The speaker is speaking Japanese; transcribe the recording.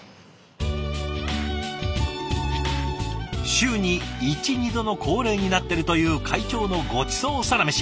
週に１２度の恒例になっているという会長のごちそうサラメシ。